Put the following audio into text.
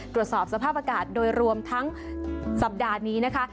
ตรวจสอบสภาพอากาศโดยรวมทั้งสัปดาห์นี้นะคะ